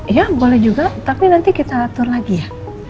ya boleh juga tapi nanti kita atur lagi ya